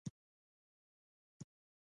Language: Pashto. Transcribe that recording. سمارټ موخې